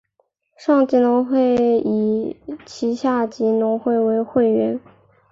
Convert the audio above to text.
上级农会以其下级农会为会员。